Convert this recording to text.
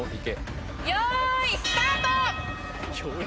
よーい、スタート。